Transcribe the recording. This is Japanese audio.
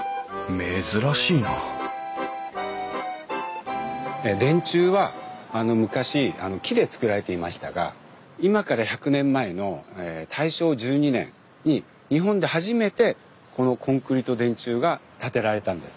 珍しいな電柱は昔木で造られていましたが今から１００年前の大正１２年に日本で初めてこのコンクリート電柱が建てられたんです。